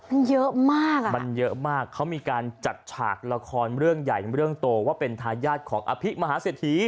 มันเยอะมากอ่ะมันเยอะมากเขามีการจัดฉากละครเรื่องใหญ่เรื่องโตว่าเป็นทายาทของอภิมหาเศรษฐี